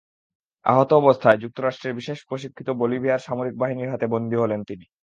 আহত অবস্থায় যুক্তরাষ্ট্রের বিশেষ প্রশিক্ষিত বলিভিয়ার সামরিক বাহিনীর হাতে বন্দী হলেন তিনি।